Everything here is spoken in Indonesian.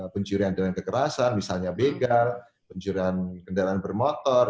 pencurian dengan kekerasan misalnya begal pencurian kendaraan bermotor